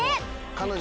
彼女。